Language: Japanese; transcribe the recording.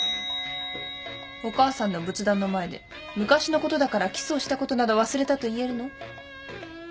お母さんの仏壇の前で昔のことだからキスをしたことなど忘れたと言えるの？